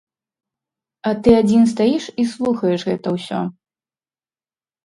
А ты адзін стаіш і слухаеш гэта ўсё.